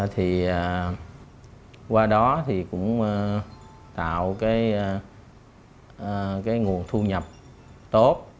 thì qua đó cũng tạo nguồn thu nhập tốt